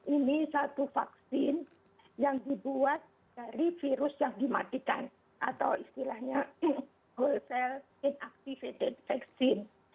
ini satu vaksin yang dibuat dari virus yang dimatikan atau istilahnya wholesale inactivated vaccine